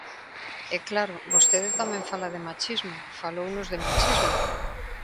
E claro, vostede tamén fala de machismo, falounos de machismo.